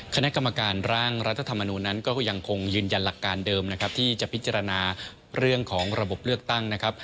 คณะกรรมการร่างรัฐธรรมนูลนั้นก็ยังคงยืนยันหลักการเดิมนะครับที่จะพิจารณาเรื่องของระบบเลือกตั้งนะครับ